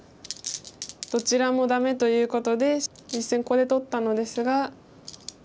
どちらもダメということで実戦ここで取ったのですが。